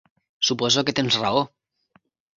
Suposo que tens raó.